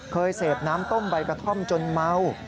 เคยเสพน้ำต้มใบกระท่อมจนเมา